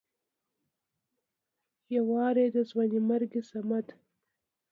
يو وارې د ځوانيمرګ صمد